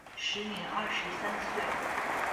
时年二十三岁。